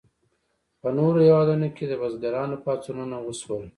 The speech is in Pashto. په نورو هیوادونو کې د بزګرانو پاڅونونه وشول.